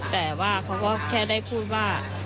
แต่ว่าเขาก็แค่ได้พูดว่า